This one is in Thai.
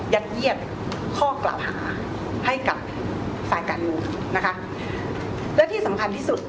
เยี่ยมข้อกล่าวหาให้กับฝ่ายการเมืองนะคะและที่สำคัญที่สุด